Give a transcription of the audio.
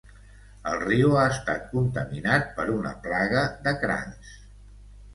El riu ha estat contaminat per una plaga de crancs.